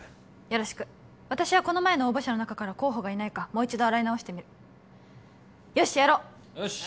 よろしく私はこの前の応募者の中から候補がいないかもう一度洗い直してみるよしやろう！よし！